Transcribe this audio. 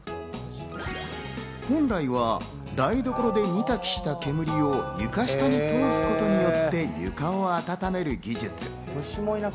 本来は台所で煮炊きした煙を床下に通すことによって、床を温める技術。